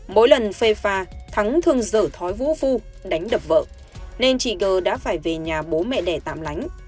mỗi lần phê pha thắng thường dở thói vũ vu đánh đập vợ nên chị g đã phải về nhà bố mẹ đẻ tạm lánh